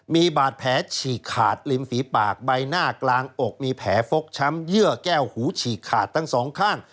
มีบาดแผลฉีกขาดริมฝีปากใบหน้ากลางอกมีแผลฟกช้ำเยื่อแก้วหูฉีกขาดทั้งสองข้าง